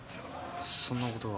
そんなことは。